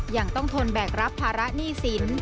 ยังต้องทนแบกรับภาระหนี้สิน